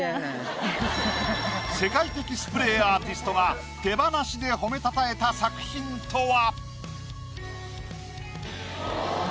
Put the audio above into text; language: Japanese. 世界的スプレーアーティストが手放しで褒めたたえた作品とは？